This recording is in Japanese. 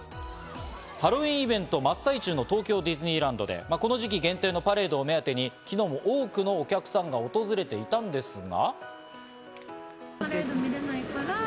ハロウィーンイベント真っ最中の東京ディズニーランドで、この時期限定のパレードを目当てに昨日も多くのお客さんが訪れていたんですが。